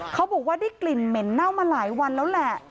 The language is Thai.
เขาบอกว่าได้กลิ่นเหม็นเน่ามาหลายวันแล้วแหละ